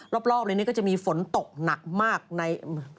รอบเลยนี่ก็จะมีฝนตกหนักมากใน